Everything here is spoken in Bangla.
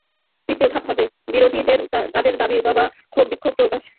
তৃতীয় ধাপ হবে, বিরোধীদের তাদের দাবি-দাওয়া, ক্ষোভ-বিক্ষোভ প্রকাশের জন্য একটা পরিসর দেওয়া।